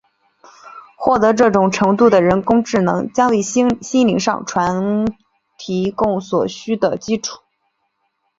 获得这种程度的人工智能将为心灵上传提供所需的基础。